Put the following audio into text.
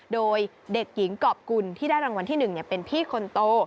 โดยเด็กหญิงกรอบกุลที่ได้รางวัลที่๑เป็นพี่คนโต